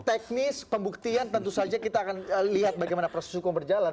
teknis pembuktian tentu saja kita akan lihat bagaimana proses hukum berjalan